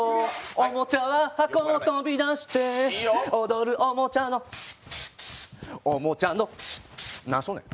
おもちゃは箱を飛び出して踊るおもちゃのおもちゃの何しとんねん！